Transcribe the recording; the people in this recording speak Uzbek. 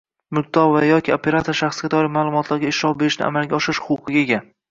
Mulkdor va yoki operator shaxsga doir ma’lumotlarga ishlov berishni amalga oshirish huquqiga ega.